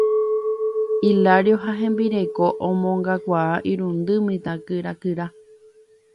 Hilario ha hembireko omongakuaa irundy mitã kyrakyra.